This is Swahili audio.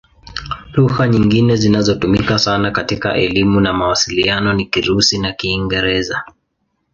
Lugha nyingine zinazotumika sana katika elimu na mawasiliano ni Kirusi na Kiingereza.